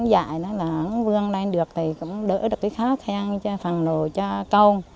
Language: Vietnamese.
dạy là vương lên được thì cũng đỡ được cái khó khăn cho phần đồ cho con